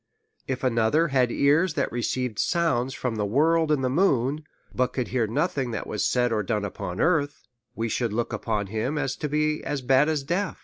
If 346 A SERIOUS CALL TO A another had ears that received sounds from the world in the moon, but could hear nothing that was done upon earth, we should look upon him to be as bad as deaf.